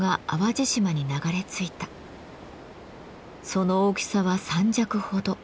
その大きさは３尺ほど。